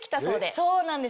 そうなんです